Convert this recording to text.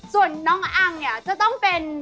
ส่วนน้องอังเนี่ยจะต้องเป็น